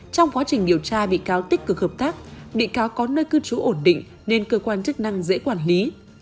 trong quá trình điều tra bị cáo tích cực hợp tác bị cáo có nơi cư trú ổn định nên cơ quan chức năng dễ quản lý